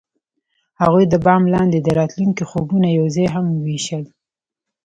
هغوی د بام لاندې د راتلونکي خوبونه یوځای هم وویشل.